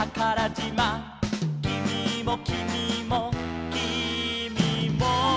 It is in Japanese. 「きみもきみもきみも」